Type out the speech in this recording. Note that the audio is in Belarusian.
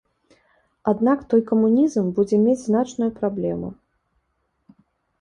Аднак той камунізм будзе мець значную праблему.